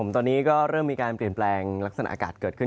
ตอนนี้ก็เริ่มมีการเปลี่ยนแปลงลักษณะอากาศเกิดขึ้น